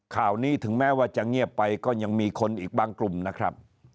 ข่าวนี้ถึงแม้ว่าจะเงียบไปก็ยังมีคนอีกบางกลุ่มนะครับ